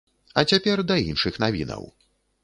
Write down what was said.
А цяпер да іншых навінаў!